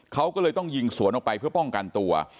เขาก็เลยต้องยิงสวนออกไปเพื่อป้องกันตัว